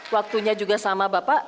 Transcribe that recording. waktunya juga sama bapak